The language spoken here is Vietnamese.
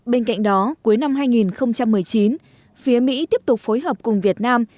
bên cạnh đó cuối năm hai nghìn một mươi chín phía mỹ tiếp tục phối hợp cùng việt nam